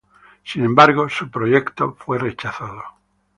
Sin embargo, su proyecto fue rechazado.